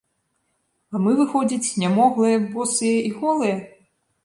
А мы, выходзіць, нямоглыя, босыя і голыя?